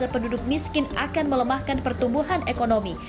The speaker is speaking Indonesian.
penduduk miskin akan melemahkan pertumbuhan ekonomi